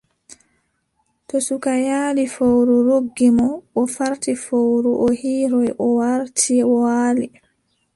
To suka yaali. Fowru ruggi mo. O farti fowru, o hiiroy, o warti, o waali.